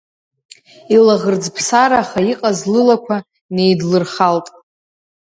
Илаӷырӡԥсараха иҟаз лылақәа неидлырхалт.